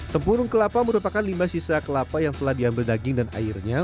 tempurung kelapa merupakan limba sisa kelapa yang telah di ambil daging dan airnya